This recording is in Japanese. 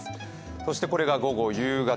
そしてこれが午後、夕方。